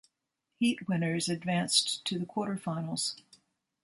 Heat winners advanced to the quarterfinals.